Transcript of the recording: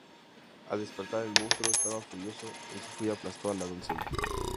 Al despertar el monstruo estaba furioso; en su furia aplastó a la doncella.